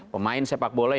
pemain sepak bola yang